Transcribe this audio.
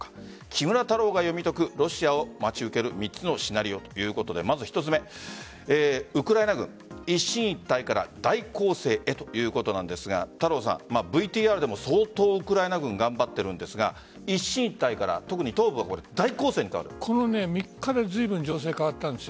木村太郎が読み解くロシアを待ち受ける３つのシナリオということで１つ目ウクライナ軍一進一退から大攻勢へ？ということなんですがＶＴＲでも相当、ウクライナ軍頑張っているんですが一進一退からこの３日でずいぶん、情勢が変わったんです。